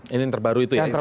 ini yang terbaru itu ya